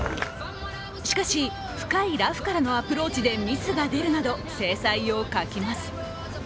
しかし、深いラフからのアプローチでミスが出るなど、精彩を欠きます。